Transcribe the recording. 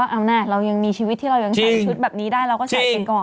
เอางานคลับยังมีชุดันที่ใส่ชุดแบบนี้ได้เราก็ใส่ก่อน